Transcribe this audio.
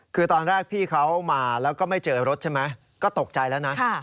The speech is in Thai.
คือตอนแรกพี่เขามาแล้วก็ไม่เจอรถใช่ไหมก็ตกใจแล้วนะ